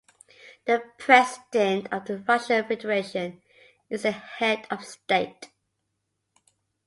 The President of the Russian Federation is the head of state.